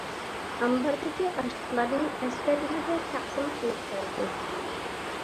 ئامباردىكى ئاشلىقلارنى ئەسكەرلەرگە تەقسىم قىلىپ بەردى.